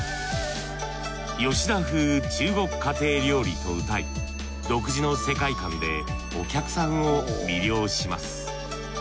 吉田風中国家庭料理とうたい独自の世界観でお客さんを魅了します。